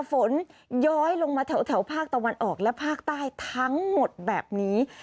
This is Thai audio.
ย้อยลงมาแถวภาคตะวันออกและภาคใต้ทั้งหมดแบบนี้